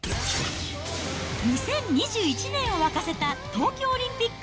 ２０２１年を沸かせた東京オリンピック！